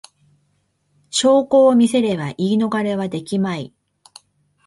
証拠を見せれば言い逃れはできまい